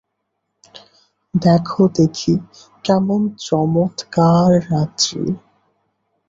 দেখো দেখি কেমন চমৎকার রাত্রি।